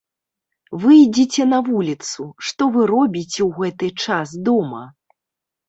Выйдзіце на вуліцу, што вы робіце ў гэты час дома?